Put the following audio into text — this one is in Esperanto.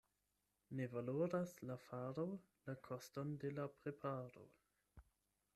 Ne valoras la faro la koston de la preparo.